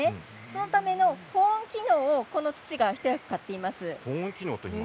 そのための保温機能をこの土が一役買っています。